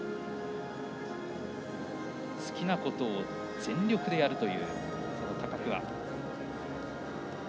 好きなことを全力でやるという高桑。